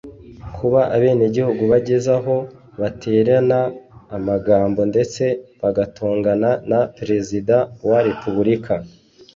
Kuba abenegihugu bageze aho batererana amagambo ndetse bagatongana na President wa Republika